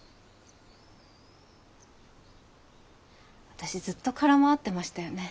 私ずっと空回ってましたよね。